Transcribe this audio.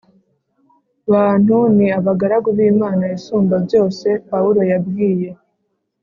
bantu ni abagaragu b Imana Isumbabyose Pawulo yabwiye